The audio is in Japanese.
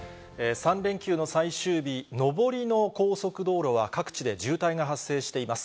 ３連休の最終日、上りの高速道路は、各地で渋滞が発生しています。